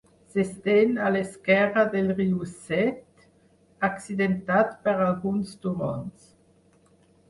S'estén a l'esquerre del riu Set, accidentat per alguns turons.